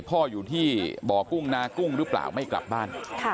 พ่ออยู่ที่บ่อกุ้งนากุ้งหรือเปล่าไม่กลับบ้าน